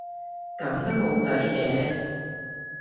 噉都冇計嘅